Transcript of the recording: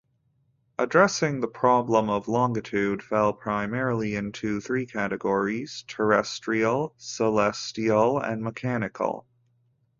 Addressing the problem of longitude fell, primarily, into three categories: terrestrial, celestial, and mechanical.